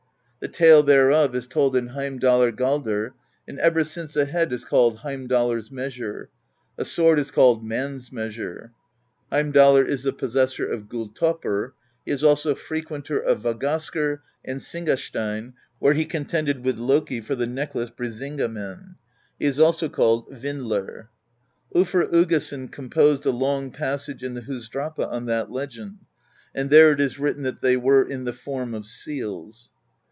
The tale thereof is told in Heimdalar galdr ; and ever since a head is called Heimdallr's Measure; a sword is called Man's Measure. Heimdallr is the Possessor of Gulltoppr; he is also Frequenter of Vagasker and Sing asteinn, where he contended with Loki for the Necklace Brisinga men , he is also called Vindler. tJlfr Uggason com posed a long passage in the Husdrapa on that legend, and there it is written that they were in the form of seals.